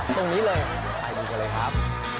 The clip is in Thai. ตรงนี้เลยไปกันเลยครับ